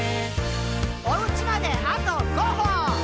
「おうちまであと５歩！」